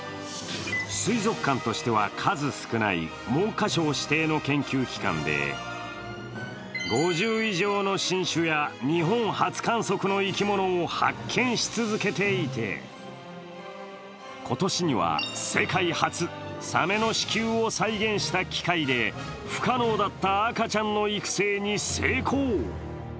水族館としては数少ない文科省指定の研究機関で５０以上の新種や日本初観測の生き物を発見し続けていて今年には世界初、サメの子宮を再現した機械で不可能だった赤ちゃんの育成に成功。